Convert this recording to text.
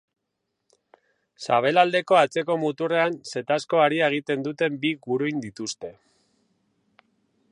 Sabelaldeko atzeko muturrean zetazko haria egiten duten bi guruin dituzte.